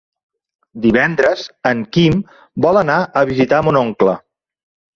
Divendres en Quim vol anar a visitar mon oncle.